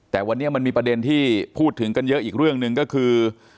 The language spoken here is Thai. แต่วันนี้มันมีประเด็นที่พูดถึงกันเยอะอีกเรื่องหนึ่งก็คือ